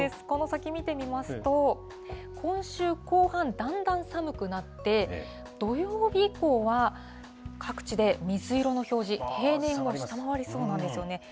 この先見てみますと、今週後半、だんだん寒くなって、土曜日以降は各地で水色の表示、平年を下回りそうなんですよね。